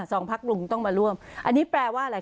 สองพักลุงต้องมาร่วมอันนี้แปลว่าอะไร